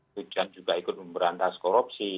tujuan juga ikut memberantas korupsi